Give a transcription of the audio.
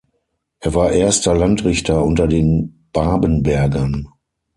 Er war erster Landrichter unter den Babenbergern.